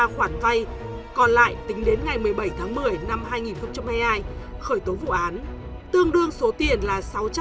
một hai trăm bốn mươi ba khoản vay còn lại tính đến ngày một mươi bảy tháng một mươi năm hai nghìn hai mươi hai khởi tố vụ án tương đương số tiền là